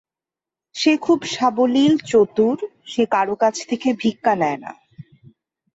সে খুব সাবলীল, চতুর, সে কারো কাছ থেকে ভিক্ষা নেয় না।